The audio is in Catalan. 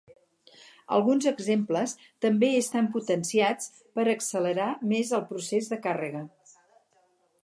Alguns exemples també estan potenciats per accelerar més el procés de càrrega.